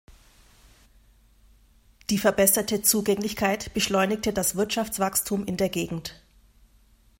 Die verbesserte Zugänglichkeit beschleunigte das Wirtschaftswachstum in der Gegend.